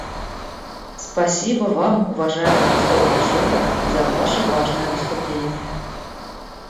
Спасибо Вам, уважаемый посол Алжира, за Ваше важное выступление.